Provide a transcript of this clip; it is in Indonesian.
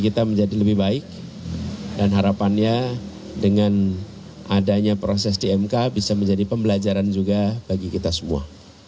kita menjadi lebih baik dan harapannya dengan adanya proses di mk bisa menjadi pembelajaran juga bagi kita semua